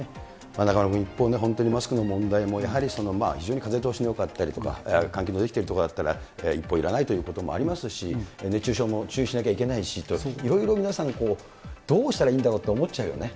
中丸君、一方ね、マスクの問題もやはり、非常に風通しがよかったりとか、換気のできてる所だったら、一方、いらないということもありますし、熱中症も注意しなきゃいけないしと、いろいろ皆さん、どうしたらいいんだろうって思っちゃうよね。